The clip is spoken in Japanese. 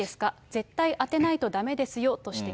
絶対当てないとだめですよと指摘。